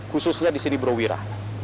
khususnya di sini bro wira